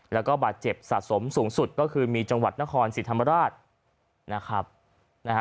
และบาทเจ็บสะสมสูงสุดก็คือมีจังหวัดนครสิรธรรมราช